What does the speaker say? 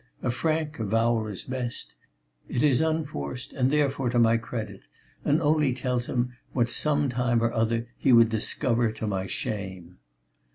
A frank avowal is best. It is unforced and therefore to my credit, and only tells him what some time or other he would discover to my shame."